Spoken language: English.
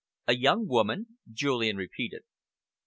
"A young woman?" Julian repeated.